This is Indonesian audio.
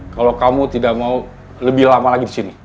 kalau kamu tidak mau lebih lama lagi disini